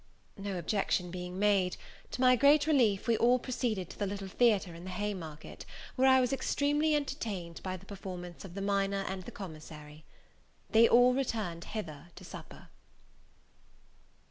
No objection being made, to my great relief we all proceeded to the little theatre in the Haymarket, where I was extremely entertained by the performance of the Minor and the Commissary. They all returned hither to supper.